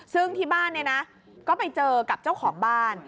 ซึ่งที่บ้านเนี่ยนะก็ไปเจอกับเจ้าของบ้าน